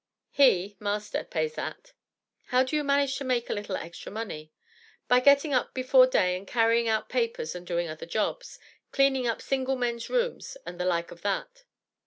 "He (master) pays that." "How do you manage to make a little extra money?" "By getting up before day and carrying out papers and doing other jobs, cleaning up single men's rooms and the like of that."